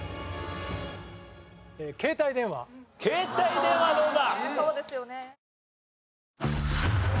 携帯電話どうだ？